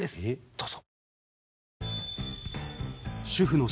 どうぞ。